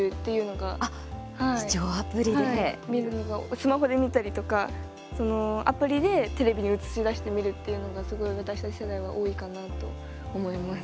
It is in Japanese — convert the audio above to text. スマホで見たりとかそのアプリでテレビに映し出して見るっていうのが、すごい私たち世代は多いかなと思います。